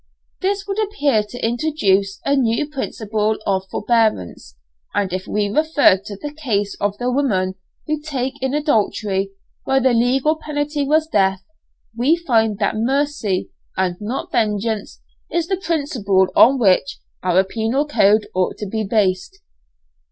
This would appear to introduce a new principle of forbearance, and if we refer to the case of the woman taken in adultery, where the legal penalty was death, we find that mercy, and not vengeance, is the principle on which our penal code ought to be based.